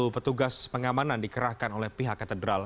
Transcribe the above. satu ratus sepuluh petugas pengamanan dikerahkan oleh pihak katedral